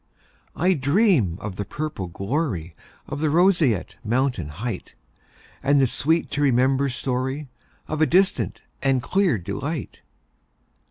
I dream of the purple gloryOf the roseate mountain heightAnd the sweet to remember storyOf a distant and clear delight.